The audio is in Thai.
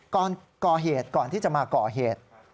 ก่อนที่จะมาก่อเหตุ